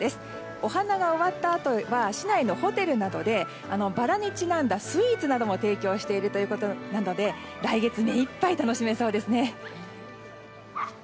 お花が終わったあとは市内のホテルなどでバラにちなんだスイーツなども提供しているということなので来月目いっぱい楽しめそうですね。